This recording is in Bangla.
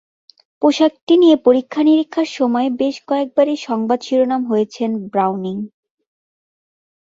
পোশাকটি নিয়ে পরীক্ষা নিরীক্ষার সময় বেশ কয়েকবারই সংবাদ শিরোনাম হয়েছেন ব্রাউনিং।